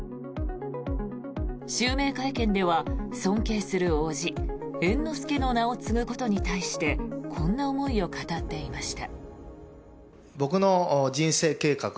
襲名会見では尊敬する伯父・市川猿之助の名を継ぐことに対してこんな思いを語っていました。